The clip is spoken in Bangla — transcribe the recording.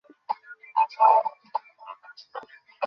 তবে রিও অলিম্পিক থেকে সিমোন বাইল্স আসলে ফিরে যাচ্ছেন ছয়টি পুরস্কার নিয়ে।